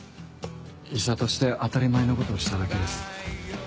医者として当たり前のことをしただけです。